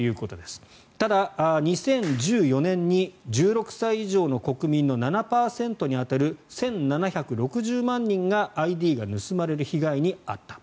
ただ、２０１４年に１６歳以上の国民の７％に当たる１７６０万人がＩＤが盗まれる被害に遭った。